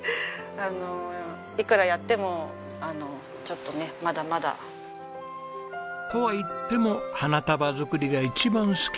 あのいくらやってもちょっとねまだまだ。とはいっても花束作りが一番好き。